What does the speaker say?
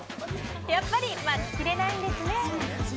やっぱり待ちきれないんですね。